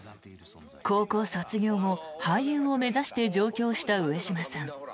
高校卒業後、俳優を目指して上京した上島さん。